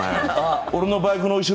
俺のバイクの後ろ